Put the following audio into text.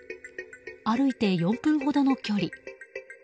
歩いて４分ほどの距離。